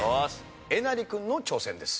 えなり君の挑戦です。